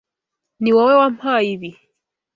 Niwowe wampaye ibi.